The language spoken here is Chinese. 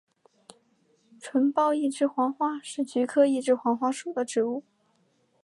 钝苞一枝黄花是菊科一枝黄花属的植物。